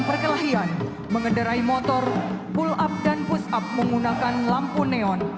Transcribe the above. perkelahian mengendarai motor pull up dan push up menggunakan lampu neon